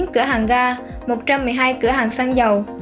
một cửa hàng ga một trăm một mươi hai cửa hàng xăng dầu